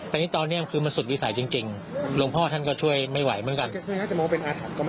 แต่นี่ตอนนี้คือมันสุดวิสัยจริงหลวงพ่อท่านก็ช่วยไม่ไหวเหมือนกัน